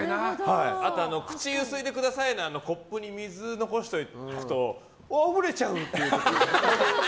あと、口をゆすいでくださいのコップに水を残しておくとあ、あふれちゃう！っていう。